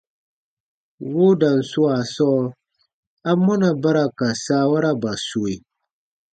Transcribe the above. Woodan swaa sɔɔ, amɔna ba ra ka saawaraba sue?